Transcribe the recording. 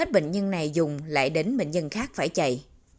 bệnh nhân này dùng lại đến bệnh nhân khác phải chạy